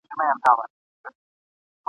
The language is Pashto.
د بېوزلانو په خوله سوې خاوري !.